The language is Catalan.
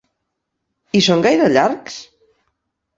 I són gaire llargs?